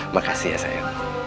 makasih ya sayang